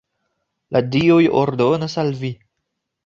La dioj ordonas al vi!